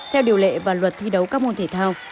theo điều lệ và luật thi đấu các môn thể thao